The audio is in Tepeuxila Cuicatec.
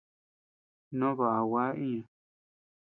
No baʼa gua iña.